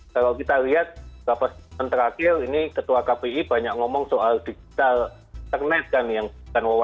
kalau kita lihat rapat pen terakhir ini ketua kpi banyak ngomong soal digital